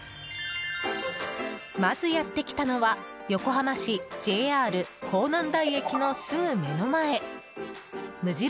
まず、やってきたのは横浜市ＪＲ港南台駅のすぐ目の前無印